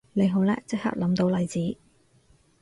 你好叻即刻諗到例子